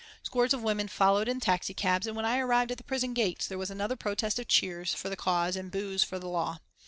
Scores of women followed in taxicabs, and when I arrived at the prison gates there was another protest of cheers for the cause and boos for the law.